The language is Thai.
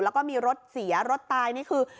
แล้วก็มีรถเสียรถตายนี่คือ